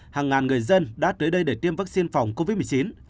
hàng ngàn người dân đã tới đây để tiêm vaccine phòng covid một mươi chín